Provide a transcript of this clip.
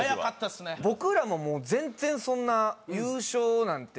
僕らも全然そんな優勝なんて。